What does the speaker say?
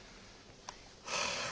はあ。